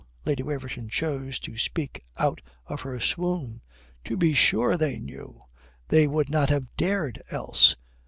Lady Waverton chose to speak out of her swoon. "To be sure they knew. They would not have dared else.